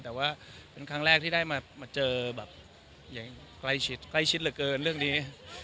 แต่ว่าครั้งแรกที่ได้มาเจอแบบใกล้ชิดเหลือเกินเรื่องนี้